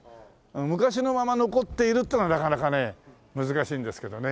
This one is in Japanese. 昔のまま残っているっていうのがなかなかね難しいんですけどね。